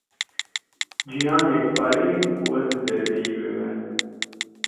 Cîhan yekpare ye û ez li derveyî wê me.